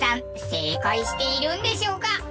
正解しているんでしょうか？